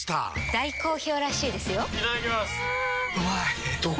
大好評らしいですよんうまい！